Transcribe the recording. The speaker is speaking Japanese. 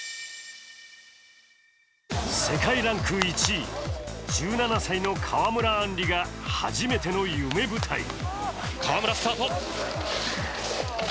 世界ランク１位、１７歳の川村あんりが初めての夢舞台。